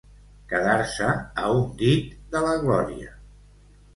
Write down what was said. Quedar-se a un dit de la glòria.